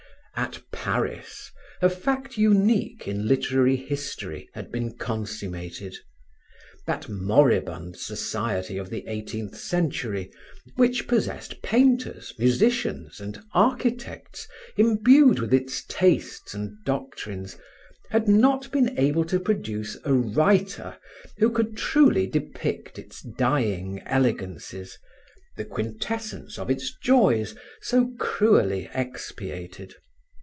At Paris, a fact unique in literary history had been consummated. That moribund society of the eighteenth century, which possessed painters, musicians and architects imbued with its tastes and doctrines, had not been able to produce a writer who could truly depict its dying elegances, the quintessence of its joys so cruelly expiated.